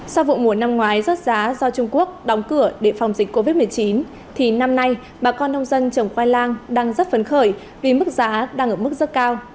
sau vụ mùa năm ngoái rớt giá do trung quốc đóng cửa để phòng dịch covid một mươi chín thì năm nay bà con nông dân trồng khoai lang đang rất phấn khởi vì mức giá đang ở mức rất cao